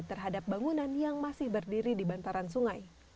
terhadap bangunan yang masih berdiri di bantaran sungai